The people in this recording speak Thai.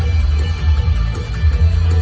มันเป็นเมื่อไหร่แล้ว